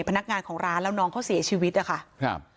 พนักงานของร้านแล้วน้องเขาเสียชีวิตนะคะครับ